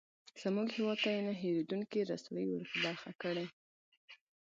زموږ هېواد ته یې نه هېرېدونکې رسوایي ورپه برخه کړې.